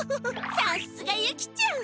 さっすがユキちゃん！